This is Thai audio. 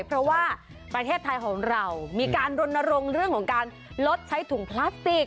เพราะว่าประเทศไทยของเรามีการรณรงค์เรื่องของการลดใช้ถุงพลาสติก